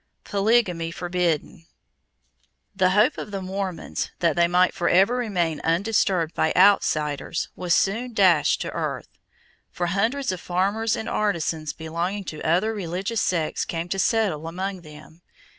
Polygamy Forbidden. The hope of the Mormons that they might forever remain undisturbed by outsiders was soon dashed to earth, for hundreds of farmers and artisans belonging to other religious sects came to settle among them.